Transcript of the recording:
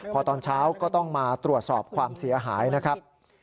พอตอนเช้าก็ต้องมาตรวจสอบความเสียหายนะครับ